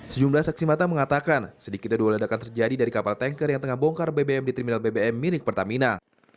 sejumlah saksi mata mengatakan sedikitnya dua ledakan terjadi dari kapal tanker yang tengah bongkar bbm di terminal bbm milik pertamina